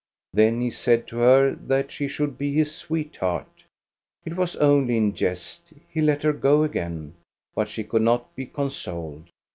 Then he said to her that she should be his sweetheart. It was only in jest ; he let her go again, but she could not be consoled.